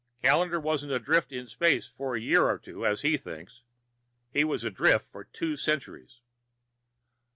Callendar wasn't adrift in space for a year or two, as he thinks. He was adrift for two centuries."